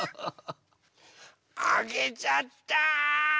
あげちゃった！